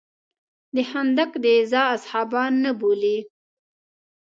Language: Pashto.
د خندق د غزا اصحابان نه بولې.